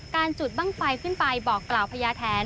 จุดบ้างไฟขึ้นไปบอกกล่าวพญาแทน